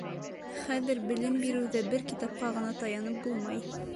Хәҙер белем биреүҙә бер китапҡа ғына таянып булмай.